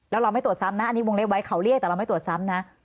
แล้วเราไม่ตรวจซ้ำนะอันนี้วงเล็บไว้เขาเรียกแต่เราไม่ตรวจซ้ำนะ